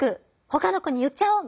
ほかの子に言っちゃおう！」